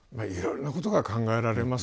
いろんなことが考えられます。